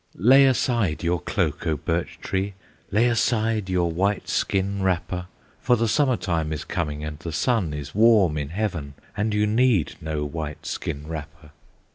"Lay aside your cloak, O Birch tree! Lay aside your white skin wrapper, For the Summer time is coming, And the sun is warm in heaven, And you need no white skin wrapper!"